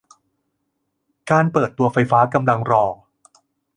การเปิดตัวไฟฟ้ากำลังรอ